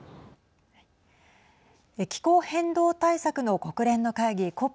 気候変動対策の国連の会議